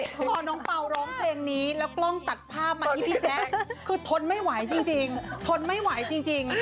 จะบอกว่าพอน้องเป๋าร้องเพลงนี้และกล้องตัดภาพที่พี่แซงคือทนไม่ไหวจริง